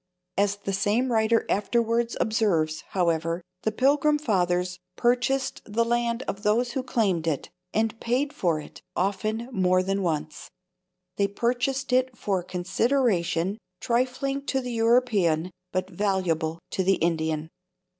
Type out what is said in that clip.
'" As the same writer afterwards observes, however, the Pilgrim Fathers "purchased the land of those who claimed it, and paid for it—often, more than once. They purchased it for a consideration, trifling to the European, but valuable to the Indian.